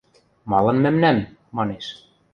– Малын мӓмнӓм? – манеш.